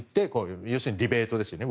要するにリベートですね。